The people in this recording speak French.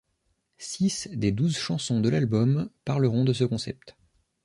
Six des douze chansons de l'album parleront de ce concept.